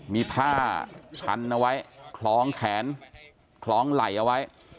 มีผ้าชันเอาไว้คล้องแขนคล้องไหล่เอาไว้